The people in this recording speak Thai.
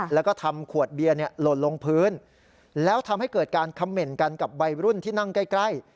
แล้วก็ทำขวดเบียร์หล่นลงพื้นแล้วทำให้เกิดการคำเหม็นกันกับวัยรุ่นที่นั่งใกล้